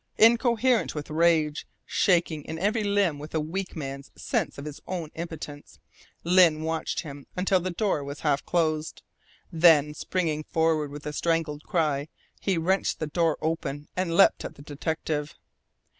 Incoherent with rage, shaking in every limb with a weak man's sense of his own impotence, Lyne watched him until the door was half closed, then, springing forward with a strangled cry, he wrenched the door open and leapt at the detective.